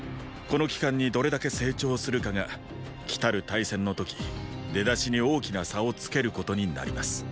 この期間にどれだけ成長するかが来たる大戦の時出だしに大きな差をつけることになります。